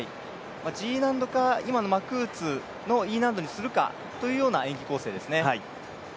Ｇ難度か今のマクーツのＥ難度にするかというような演技構成ですね。